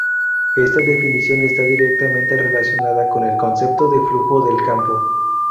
Esta definición está directamente relacionada con el concepto de flujo del campo.